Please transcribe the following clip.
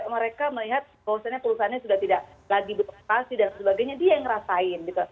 mereka melihat kalau usahanya perusahaannya sudah tidak lagi berpengaruh dan sebagainya dia yang ngerasain